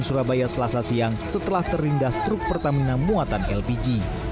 surabaya selasa siang setelah terlindas truk pertamina muatan lpg